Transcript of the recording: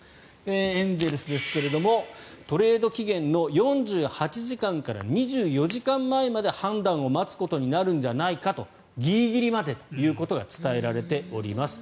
エンゼルスですがトレード期限の４８時間から２４時間前まで判断を待つことになるんじゃないかギリギリまでということが伝えられております。